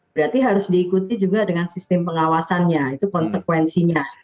berarti harus diikuti juga dengan sistem pengawasannya itu konsekuensinya